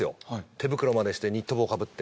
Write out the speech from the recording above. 手袋までしてニット帽被って。